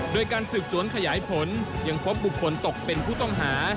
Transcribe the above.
โดยการสืบสวนขยายผลยังพบบุคคลตกเป็นผู้ต้องหา